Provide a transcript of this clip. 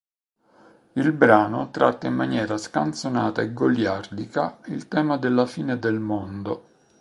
Il brano tratta in maniera scanzonata e goliardica il tema della fine del mondo.